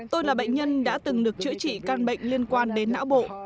tôi là bệnh nhân đã từng được chữa trị căn bệnh liên quan đến não bộ